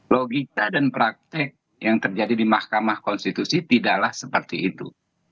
logika dan praktek yang terjadi di mahkamah konstitusi tidaklah seperti itu